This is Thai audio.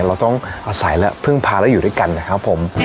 เราต้องอาศัยและพึ่งพาและอยู่ด้วยกันนะครับผม